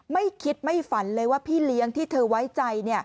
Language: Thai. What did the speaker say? ไม่คิดไม่ฝันเลยว่าพี่เลี้ยงที่เธอไว้ใจ